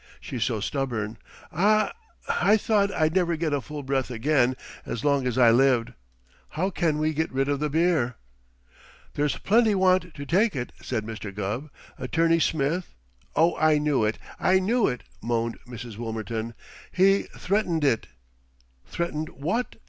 She's so stubborn! Ah h! I thought I'd never get a full breath again as long as I lived. How can we get rid of the beer?" [Illustration: SHE MADE GESTURES WITH HER HANDS] "There's plenty want to take it," said Mr. Gubb. "Attorney Smith " "Oh, I knew it! I knew it!" moaned Mrs. Wilmerton. "He threatened it!" "Threatened what?"